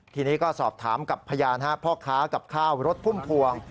ทีนี้ก็สอบถามกับพยานพ่อค้ากับข้าวรถพุ่มพวง